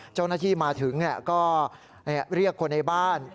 เจ้าหน้าที่มาถึงก็เรียกคนในบ้าน